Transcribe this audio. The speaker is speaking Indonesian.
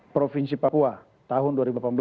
provinsi papua tahun dua ribu delapan belas